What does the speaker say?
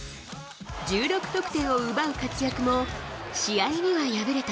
１６得点を奪う活躍も、試合には敗れた。